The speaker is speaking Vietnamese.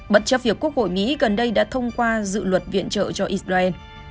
bất chấp việc quốc hội mỹ gần đây đã thông qua dự luật viện trợ cho israel